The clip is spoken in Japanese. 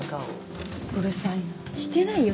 うるさいなしてないよ